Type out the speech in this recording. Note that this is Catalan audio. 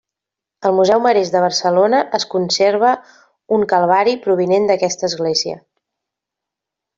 Al Museu Marès de Barcelona es conserva un Calvari provinent d'aquesta església.